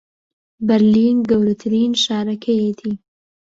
بەرلین گەورەترین شارەکەیەتی